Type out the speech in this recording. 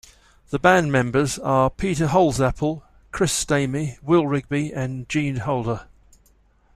The band members are Peter Holsapple, Chris Stamey, Will Rigby and Gene Holder.